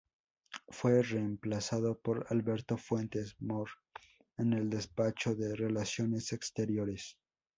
Fue reemplazado por Alberto Fuentes Mohr en el despacho de Relaciones Exteriores.